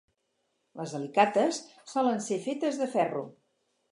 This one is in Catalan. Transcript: Les alicates solen ser fetes de ferro.